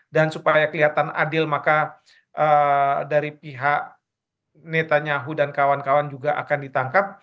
dan supaya kelihatan adil maka dari pihak netanyahu dan kawan kawan juga akan ditangkap